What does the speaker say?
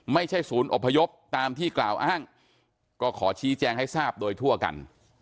ไม่ใช่ศูนย์อพยพตามที่กล่าวอ้างก็ขอชี้แจงให้ทราบโดยทั่วกัน